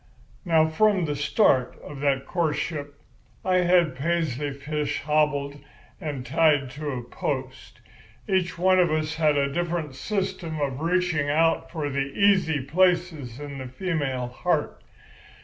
"Now, from the start of that courtship I had Paisley Fish hobbled and tied to a post. Each one of us had a different system of reaching out for the easy places in the female heart.